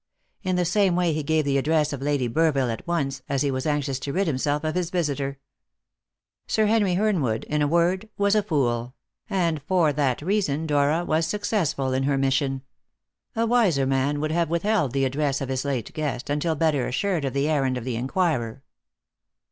In the same way he gave the address of Lady Burville at once, as he was anxious to rid himself of his visitor. Sir Harry Hernwood, in a word, was a fool; and for that reason Dora was successful in her mission. A wiser man would have withheld the address of his late guest until better assured of the errand of the inquirer.